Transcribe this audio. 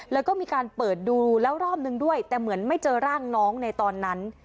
แล้วก็มีการเปิดดูแล้วรอบนึงด้วยแต่เหมือนไม่เจอร่างน้องในตอนนั้น